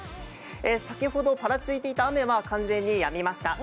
先ほどぱらついていた雨は完全にやみました。